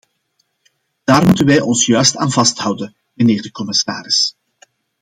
Daar moeten wij ons juist aan vasthouden, mijnheer de commissaris.